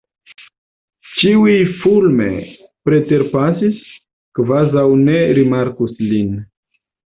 Ĉiuj fulme preterpasis, kvazaŭ ne rimarkus lin.